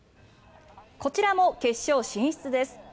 こちらも決勝進出です。